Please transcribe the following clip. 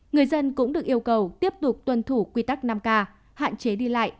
người dân cũng được yêu cầu tiếp tục tuân thủ quy tắc năm k hạn chế đi lại